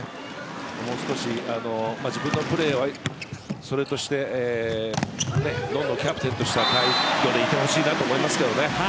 もう少し自分のプレーはそれとしてどんどんキャプテンとしてちゃんとしていてほしいと思います。